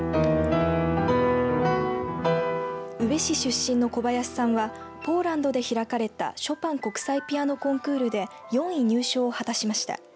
宇部市出身の小林さんはポーランドで開かれたショパン国際ピアノコンクールで４位入賞を果たしました。